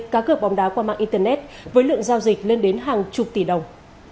cá cược bóng đá qua mạng internet với lượng giao dịch lên đến hàng chục tỷ đồng